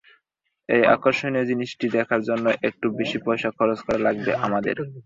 এই আকর্ষণীয় জিনিসটি দেখার জন্য একটু বেশি পয়সা খরচ করা লাগবে আপনাদের।